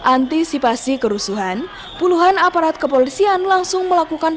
antisipasi kerusuhan puluhan aparat kepolisian langsung melakukan